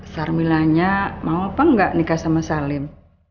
sarmilanya mau apa enggak nikah sama salim